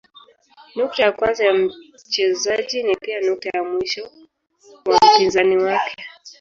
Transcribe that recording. Nukta ya kwanza ya mchezaji ni pia nukta ya mwisho wa mpinzani wake.